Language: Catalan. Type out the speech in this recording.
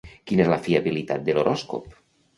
Quina és la fiabilitat de l'horòscop?